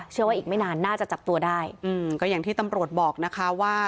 เชื่อว่าอีกไม่นานน่าจะจับตัวได้อืมก็อย่างที่ตำรวจบอกนะคะว่า